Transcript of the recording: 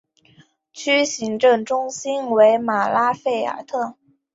区行政中心为马拉费尔特。